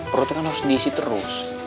perutnya kan harus diisi terus